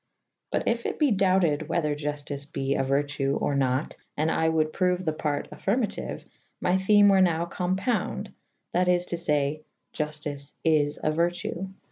But yf it be douted whether Juftice be a vertue or nat / and I wolde proue the part affyrmatyue / my theme were now compounde /that is to fay /Juftice is a vertue.